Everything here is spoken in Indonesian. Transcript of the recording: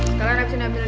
sekarang abis ini abis ini